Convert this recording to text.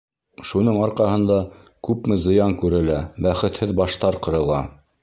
Шуның арҡаһында күпме зыян күрелә, бәхетһеҙ баштар ҡырыла.